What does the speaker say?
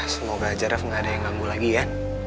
semoga aja ref nggak ada yang ganggu lagi ya